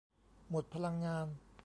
หมดพลังงาน